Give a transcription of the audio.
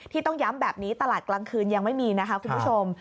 ต้องย้ำแบบนี้ตลาดกลางคืนยังไม่มีนะคะคุณผู้ชม